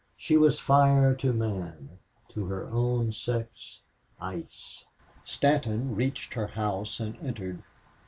She was fire to man; to her own sex, ice. Stanton reached her house and entered.